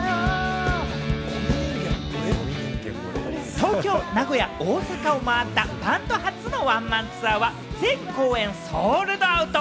東京、名古屋、大阪を回ったバンド初のワンマンツアーは、全公演ソールドアウト。